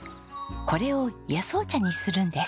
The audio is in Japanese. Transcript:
これを野草茶にするんです。